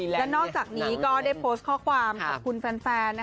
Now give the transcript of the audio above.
และนอกจากนี้ก็ได้โพสต์ข้อความขอบคุณแฟน